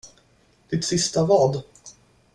Ditt sista vad?